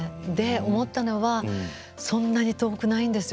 思ったのはそんなに遠くないんですよ